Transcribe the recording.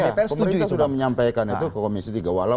iya pemerintah sudah menyampaikan itu ke komisi tiga